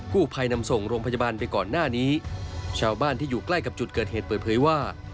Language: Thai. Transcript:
ผู้ภัยนำส่งโรงพยาบาลไปก่อนหน้านี้ชาวบ้านที่อยู่ใกล้กับจุดเกิดเหตุเปิดเผยว่า